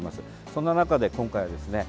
そんな中で今回はですね